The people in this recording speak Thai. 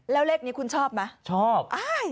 แล้วเลขนี้คุณชอบไหมชอบ